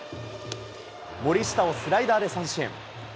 森下をスライダーで三振。